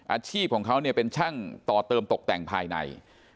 อาชีพของเขาเนี่ยเป็นช่างต่อเติมตกแต่งภายใน